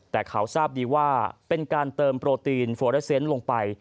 แต่เขาทราบดีว่าเป็นการเติมโปรตีนโฟเรเซนต์ลงไป